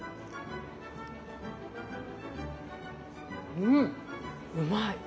うんうまい。